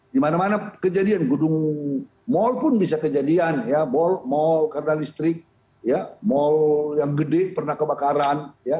di mana mana kejadian gedung mal pun bisa kejadian ya mall karena listrik mal yang gede pernah kebakaran